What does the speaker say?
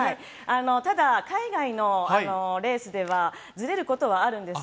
ただ、海外のレースでは、ずれることはあるんです。